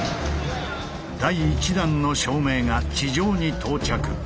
第１弾の照明が地上に到着。